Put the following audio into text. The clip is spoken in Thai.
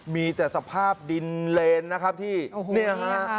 มีแต่สภาพดินเลนนะครับที่เนี่ยฮะ